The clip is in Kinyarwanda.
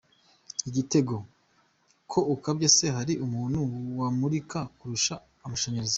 Igitego:Ko ukabya se hari umuntu wamurika kurusha amashanyarazi?.